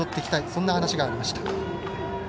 そんな話がありました。